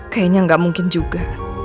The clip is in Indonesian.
kayaknya gak mungkin juga